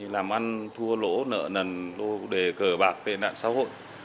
làm ăn thua lỗ nợ nần lô đề cờ bạc tệ nạn xã hội